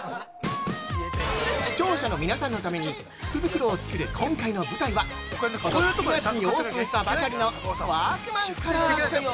◆視聴者の皆さんのために福袋を作る今回の舞台は今年９月にオープンしたばかりのワークマンカラーズ。